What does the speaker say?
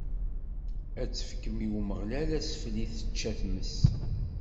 Ad tefkem i Umeɣlal asfel i tečča tmes.